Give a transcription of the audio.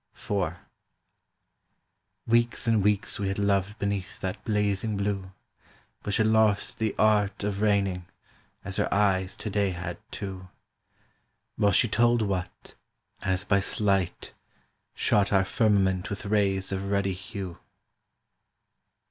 IV Weeks and weeks we had loved beneath that blazing blue, Which had lost the art of raining, as her eyes to day had too, While she told what, as by sleight, Shot our firmament with rays of ruddy hue.